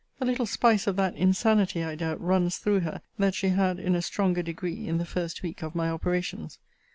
A little spice of that insanity, I doubt, runs through her, that she had in a stronger degree, in the first week of my operations.